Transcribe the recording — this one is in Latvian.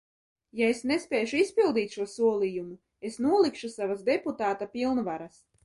Ja es nespēšu izpildīt šo solījumu, es nolikšu savas deputāta pilnvaras.